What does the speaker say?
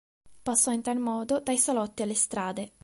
Passò in tal modo dai salotti alle strade.